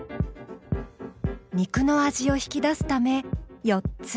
肉の味を引き出すため４つだけ。